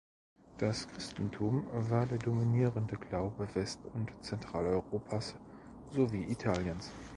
Das Christentum war der dominierende Glaube West- und Zentraleuropas sowie Italiens.